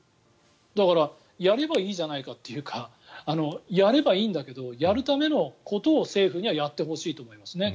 だからやればいいじゃないかというかやればいいんだけどやるためのことを、政府にはやってほしいと思います。